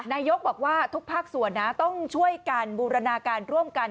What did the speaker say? นายกบอกว่าทุกภาคส่วนนะต้องช่วยกันบูรณาการร่วมกัน